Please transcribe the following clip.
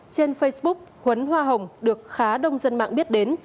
trên facebook khuấn hoa hồng được khá đông dân mạng biết đến